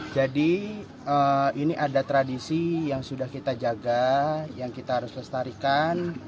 jadi ini ada tradisi yang sudah kita jaga yang kita harus lestarikan